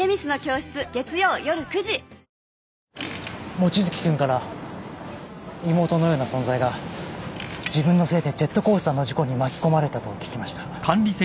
望月君から妹のような存在が自分のせいでジェットコースターの事故に巻き込まれたと聞きました。